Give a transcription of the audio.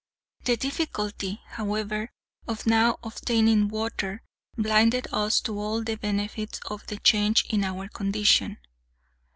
The difficulty, however, of now obtaining water blinded us to all the benefits of the change in our condition.